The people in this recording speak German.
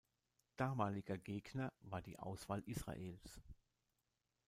Damaliger Gegner war die Auswahl Israels.